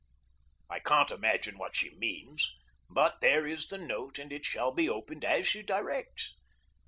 I can't imagine what she means, but there is the note, and it shall be opened as she directs.